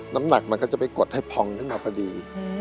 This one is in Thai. น้ำหนักมันก็จะไปกดให้พองขึ้นมาพอดี